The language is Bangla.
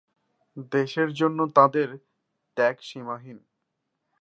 দেশের জন্য তাঁদের ত্যাগ সীমাহীন।